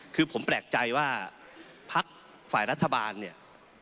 คือผมแปลกใจว่าพักฝ่ายรัฐบาลเนี่ย